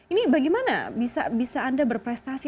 ini bagaimana bisa anda berprestasi